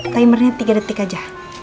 timernya tiga detik aja